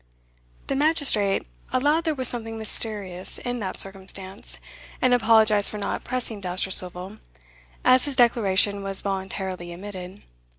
The magistrate allowed there was something mysterious in that circumstance, and apologized for not pressing Dousterswivel, as his declaration was voluntarily emitted.